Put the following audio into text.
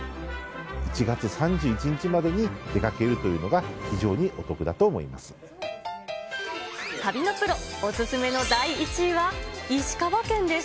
１月３１日までに出かけるというのが、旅のプロ、お勧めの第１位は石川県です。